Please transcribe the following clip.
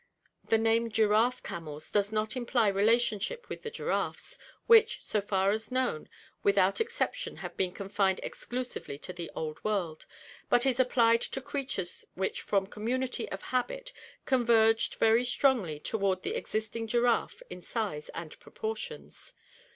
The name giraffe camels does not imply relationship with the giraffes, which, so far as known, without exception have been confined exclusively to the Old World, but is applied to crea tures which from community of habit converged very strongly toward the existing giraffe in size and proportions.